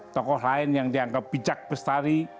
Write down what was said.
tokoh lain yang dianggap bijak bestari